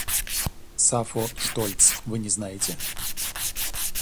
Сафо Штольц вы не знаете?